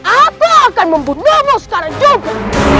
aku akan mempunyaimu sekarang juga